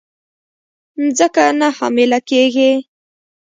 مځکه نه حامله کیږې